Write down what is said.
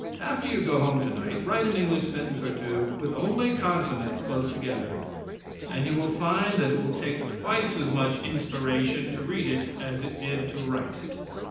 After you go home tonight write an English sentence or two with only consonants close together, and you will find that it will take twice as much inspiration to read it as it did to write it.